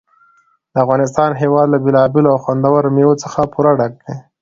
د افغانستان هېواد له بېلابېلو او خوندورو مېوو څخه پوره ډک دی.